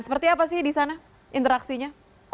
seperti apa sih di sana interaksinya